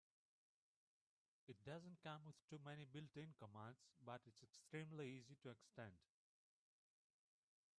It doesn't come with too many built-in commands, but it's extremely easy to extend.